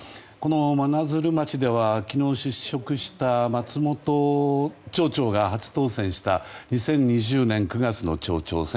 真鶴町では昨日、失職した松本町長が初当選した２０２０年９月の町長選。